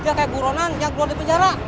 dia kayak buronan dia keluar dari penjara